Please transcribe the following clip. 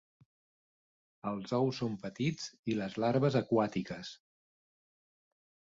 Els ous són petits i les larves aquàtiques.